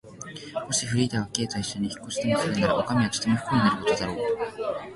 もしフリーダが Ｋ といっしょに引っ越しでもするなら、おかみはとても不幸になることだろう。